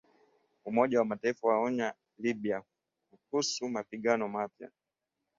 Umoja wa Mataifa waionya Libya kuhusu mapigano mapya.